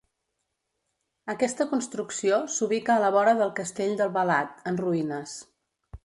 Aquesta construcció s'ubica a la vora del Castell d'Albalat, en ruïnes.